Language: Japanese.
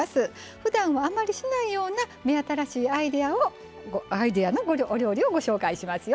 ふだんあまりしないような目新しいアイデアのお料理をご紹介しますよ。